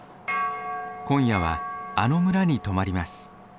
今夜はあの村に泊まります。